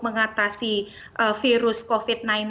mengatasi virus covid sembilan belas